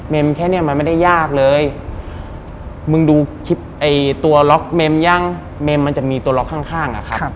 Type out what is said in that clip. แค่เนี้ยมันไม่ได้ยากเลยมึงดูคลิปไอ้ตัวล็อกเมมยังเมมมันจะมีตัวล็อกข้างอะครับ